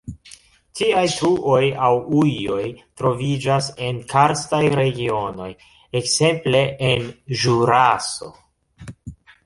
Tiaj truoj aŭ ujoj troviĝas en karstaj regionoj, ekzemple en Ĵuraso.